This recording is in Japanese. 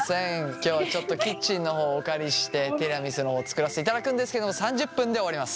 今日ちょっとキッチンの方お借りしてティラミスの方作らせていただくんですけども３０分で終わります。